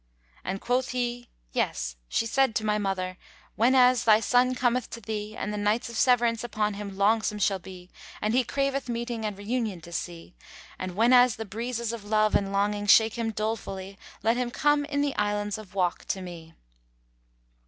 and quoth he, "Yes; she said to my mother, 'Whenas thy son cometh to thee and the nights of severance upon him longsome shall be and he craveth meeting and reunion to see, and whenas the breezes of love and longing shake him dolefully let him come in the Islands of Wak to me.'"